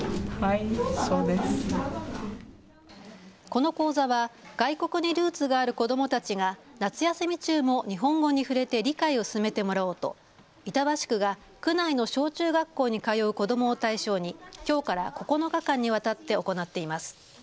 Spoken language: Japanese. この講座は外国にルーツがある子どもたちが夏休み中も日本語に触れて、理解を進めてもらおうと板橋区が区内の小中学校に通う子どもを対象に、きょうから９日間にわたって行っています。